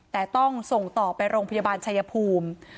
แต่ต้องส่งต่อไปโรงพยาบาลชายภูมิ